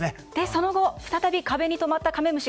その後、再び壁に止まったカメムシ。